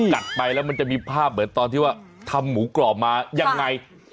กัดไปแล้วมันจะมีภาพเหมือนตอนที่ว่าทำหมูกรอบมายังไง